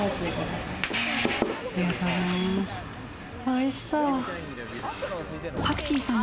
おいしそう！